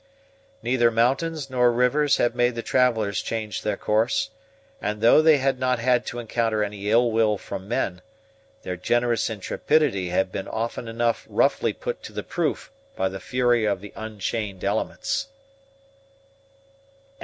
Neither mountains nor rivers had made the travelers change their course; and though they had not had to encounter any ill will from men, their generous intrepidity had been often enough roughly put to the proof by the fury of the unchained elements.